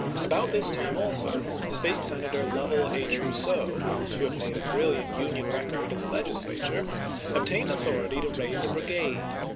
About this time also State Senator Lovell H. Rousseau, who had made a brilliant Union record in the Legislature, obtained authority to raise a brigade.